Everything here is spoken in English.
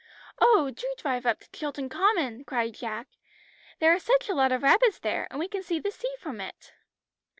"Oh, do drive up to Chilton Common," cried Jack; "there are such a lot of rabbits there, and we can see the sea from it."